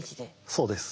そうです。